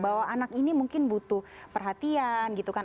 bahwa anak ini mungkin butuh perhatian gitu kan